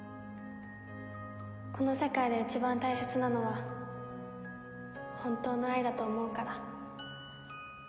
この世界で一番大切なのは本当の愛だと思うから。